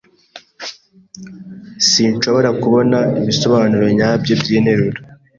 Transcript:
Sinshobora kubona ibisobanuro nyabyo byinteruro.